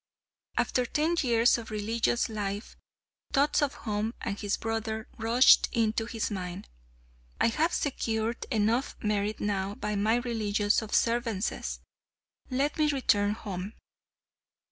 After ten years of religious life, thoughts of home and of his brother rushed into his mind. "I have secured enough merit now by my religious observances. Let me return home."